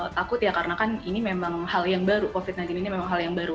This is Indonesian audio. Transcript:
takut ya karena kan ini memang hal yang baru covid sembilan belas ini memang hal yang baru